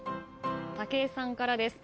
武井さんからです。